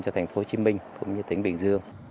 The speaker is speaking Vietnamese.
cho thành phố hồ chí minh cũng như tỉnh bình dương